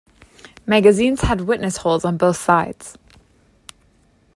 Magazines had witness holes on both sides.